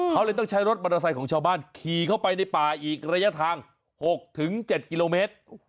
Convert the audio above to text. เขาเลยต้องใช้รถมอเตอร์ไซค์ของชาวบ้านขี่เข้าไปในป่าอีกระยะทาง๖๗กิโลเมตร